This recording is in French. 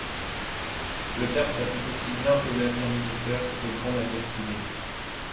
Le terme s'applique aussi bien au navires militaires qu'aux grands navires civils.